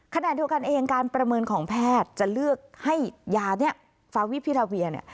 ขนาดทุกคนเองการประเมินของแพทย์จะเลือกให้ยาฟาวิพิราเวีย